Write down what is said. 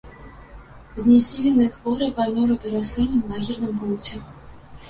Знясілены і хворы памёр у перасыльным лагерным пункце.